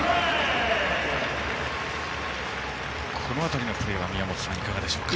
この辺りのプレーは宮本さん、いかがですか。